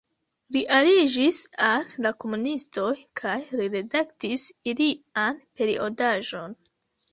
Li aliĝis al la komunistoj kaj li redaktis ilian periodaĵon.